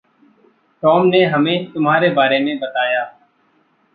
Tom ने हमें तुम्हारे बारे में बताया।